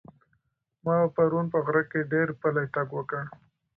ما پرون په غره کې ډېر پلی تګ وکړ.